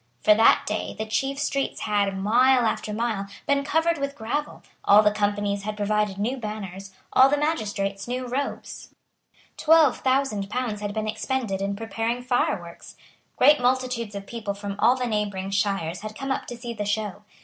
For that day the chiefs streets had, mile after mile, been covered with gravel; all the Companies had provided new banners; all the magistrates new robes. Twelve thousand pounds had been expended in preparing fireworks. Great multitudes of people from all the neighbouring shires had come up to see the show.